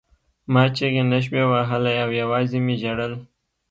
ما چیغې نشوې وهلی او یوازې مې ژړل